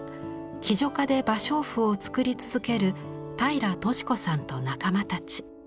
喜如嘉で芭蕉布を作り続ける平良敏子さんと仲間たち。